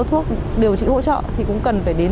thuốc điều trị hỗ trợ thì cũng cần phải đến